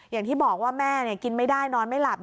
อย่างที่บอกว่าแม่กินไม่ได้นอนไม่หลับ